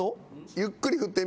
ゆっくり振ってみ。